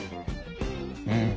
うん。